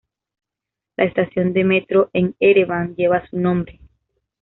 La estación de metro en Ereván lleva su nombre.